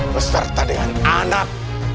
beserta dengan anak